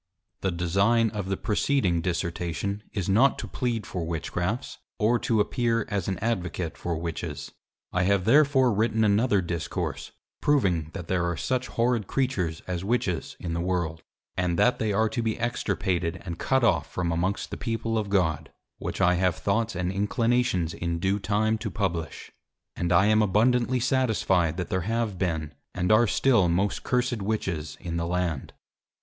The Design of the preceding Dissertation, is not to plead for Witchcrafts, or to appear as an Advocate for Witches: I have therefore written another Discourse, proving that there are such horrid Creatures as Witches in the World; and that they are to be extirpated and cut off from amongst the People of God, which I have Thoughts and Inclinations in due time to publish; and I am abundantly satisfied that there have been, and are still most cursed Witches in the Land.